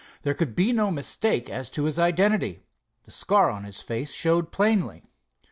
There could be no mistake as to his identity. The scar on his face showed plainly.